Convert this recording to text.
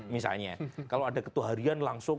misalnya kalau ada ketuharian langsung